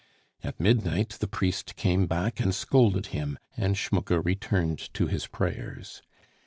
At midnight the priest came back and scolded him, and Schmucke returned to his prayers.